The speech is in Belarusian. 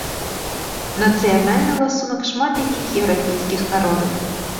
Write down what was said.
Нацыянальны ласунак шмат якіх еўрапейскіх народаў.